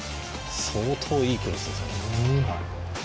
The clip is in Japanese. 相当いいクロスです。